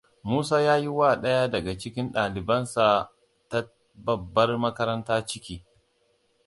Musa ya yi wa ɗaya daga cikin ɗalibansa ta babbar makaranta ciki.